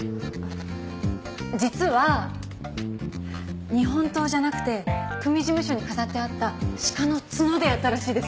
実は日本刀じゃなくて組事務所に飾ってあった鹿の角でやったらしいです。